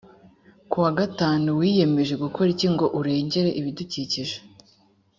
ku wa gatanu wiyemeje gukora iki ngo urengere ibidukikije